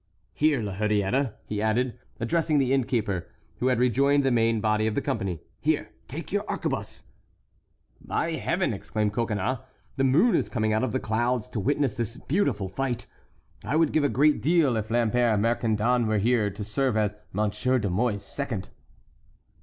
"Here, La Hurière," he added, addressing the innkeeper, who had rejoined the main body of the company, "here, take your arquebuse!" "By Heaven!" exclaimed Coconnas, "the moon is coming out of the clouds to witness this beautiful fight. I would give a great deal if Lambert Mercandon were here, to serve as Monsieur de Mouy's second."